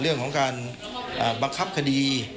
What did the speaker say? เรื่องของการบังคับคดี